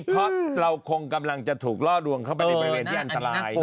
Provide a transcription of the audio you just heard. เพราะเราคงกำลังจะถูกล่อลวงเข้าไปในบริเวณที่อันตราย